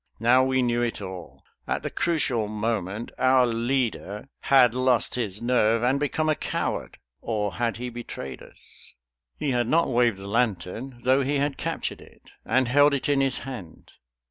Now we knew it all. At the crucial moment our leader had lost his nerve and become a coward; or had he betrayed us? He had not waved the lantern, though he had captured it, and held it in his hand.